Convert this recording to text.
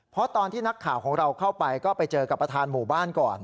เพราะตอนที่นักข่าวของเราเข้าไปก็ไปเจอกับประธานหมู่บ้านก่อน